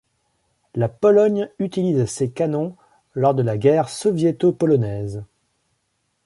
La Pologne utilise ces canons lors de la guerre soviéto-polonaise.